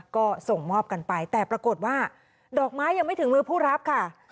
ก็ส่งมอบกันไปแต่ปรากฏว่าดอกไม้ยังไม่ถึงมือผู้รับค่ะ